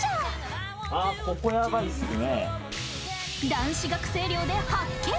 男子学生寮で発見！